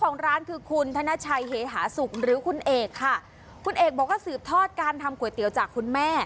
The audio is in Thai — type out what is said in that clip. ของร้านคือคุณธนชัยเฮหาสุกหรือคุณเอกค่ะคุณเอกบอกว่าสืบทอดการทำก๋วยเตี๋ยวจากคุณแม่